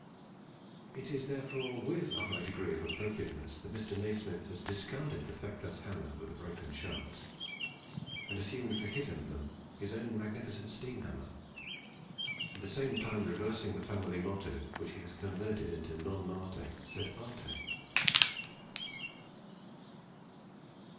It is therefore with a high degree of appropriateness that Mr. Nasmyth has discarded the feckless hammer with the broken shaft, and assumed for his emblem his own magnificent steam hammer, at the same time reversing the family motto, which he has converted into "Non Marte sed Arte."